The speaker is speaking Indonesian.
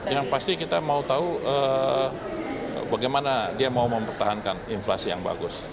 yang pasti kita mau tahu bagaimana dia mau mempertahankan inflasi yang bagus